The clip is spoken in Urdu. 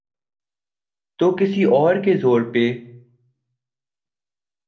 تو کسی اور کے زور پہ۔